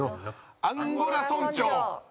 アンゴラ村長！